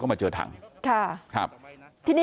กลุ่มตัวเชียงใหม่